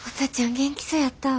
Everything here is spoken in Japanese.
元気そやったわ。